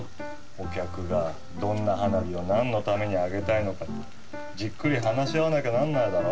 お客がどんな花火をなんのために上げたいのかじっくり話し合わなきゃならないだろ。